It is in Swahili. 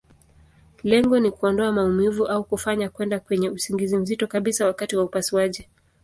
Lengo ni kuondoa maumivu, au kufanya kwenda kwenye usingizi mzito kabisa wakati wa upasuaji.